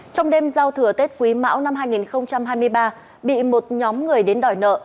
trong đêm giao thừa tết quý mão năm hai nghìn hai mươi ba bị một nhóm người đến đòi nợ